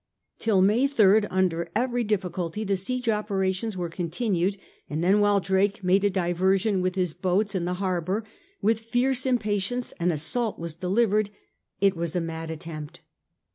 Till May 3rd imder every difficulty the siege operations were continued, and then while Drake made a diversion with his boats in the harbour, with fierce impatience an assault was delivered. It was a mad attempt.